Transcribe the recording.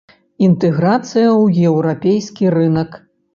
Інтэграцыя ў еўрапейскі рынак.